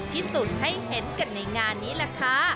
พิสูจน์ให้เห็นกันในงานนี้แหละค่ะ